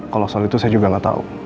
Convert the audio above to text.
kalau soal itu saya juga gak tau